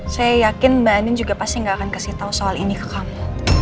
saya yakin mbak anin juga pasti nggak akan kasih tahu soal ini ke kamu